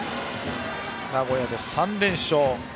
名古屋で３連勝。